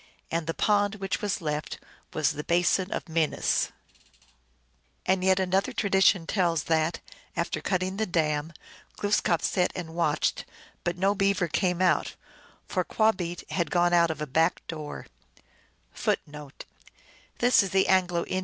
And the pond which was left was the Basin of Minas. And yet another tradition tells that, after cutting the dam, Glooskap sat and watched, but no beaver came out ; a for Qwah beet had gone out of a back door.